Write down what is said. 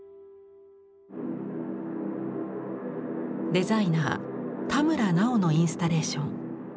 デザイナー田村奈穂のインスタレーション。